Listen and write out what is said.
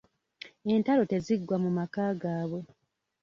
Entalo teziggwa mu maka gaabwe.